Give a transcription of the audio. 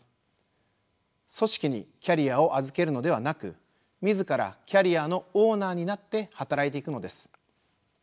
組織にキャリアを預けるのではなく自らキャリアのオーナーになって働いていくのです。